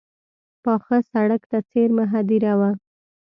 پاخه سړک ته څېرمه هدیره وه.